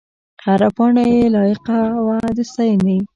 هره پاڼه یې لایق وه د ستاینې.